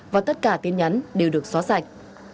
và tất cả tin nhắn đều được xóa sạch